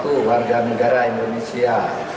satu warga negara indonesia